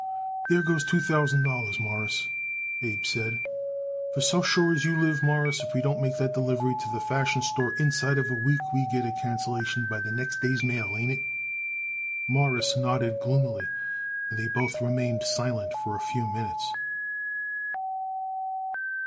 "There goes two thousand dollars, Mawruss," Abe said. "For so sure as you live, Mawruss, if we don't make that delivery to the Fashion Store inside of a week we get a cancelation by the next day's mail; ain't it?" Morris nodded gloomily, and they both remained silent for a few minutes.